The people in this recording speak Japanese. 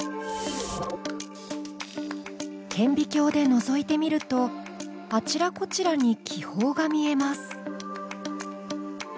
顕微鏡でのぞいてみるとあちらこちらに気泡が見えます。